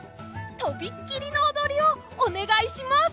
とびっきりのおどりをおねがいします！